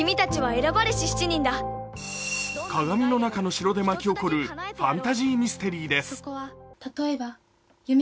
鏡の中の城で巻き起こるファタンジーミステリーです。